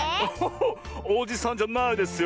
おじさんじゃないですよ。